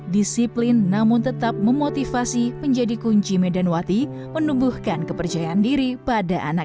disiplin namun tetap memotivasi menjadi kunci medan wati menumbuhkan kepercayaan diri pada anak